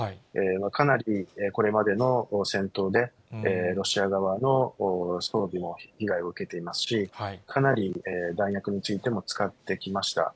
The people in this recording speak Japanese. かなりこれまでの戦闘で、ロシア側の装備も被害を受けていますし、かなり弾薬についても使ってきました。